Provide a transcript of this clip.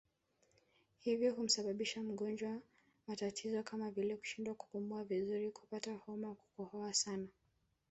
Hivyo humsababishia mgonjwa matatizo kama vile kushindwa kupumua vizuri kupata homa kukohoa sana